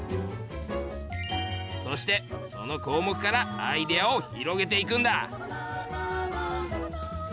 そしてその項目からアイデアを広げていくんだ。